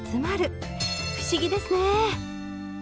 不思議ですね。